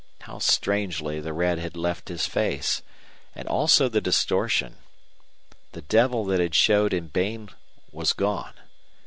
How strangely the red had left his face and also the distortion! The devil that had showed in Bain was gone.